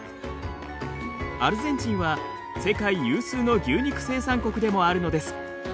アルゼンチンは世界有数の牛肉生産国でもあるのです。